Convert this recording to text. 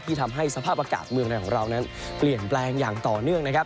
ทำให้สภาพอากาศเมืองไทยของเรานั้นเปลี่ยนแปลงอย่างต่อเนื่องนะครับ